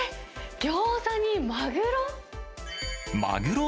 ギョーザにマグロ？